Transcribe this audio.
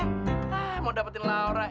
ah mau dapetin laura